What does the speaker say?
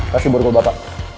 kasih buruk lo bapak